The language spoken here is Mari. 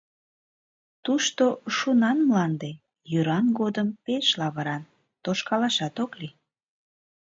Тушто шунан мланде: йӱран годым пеш лавыран, тошкалашат ок лий.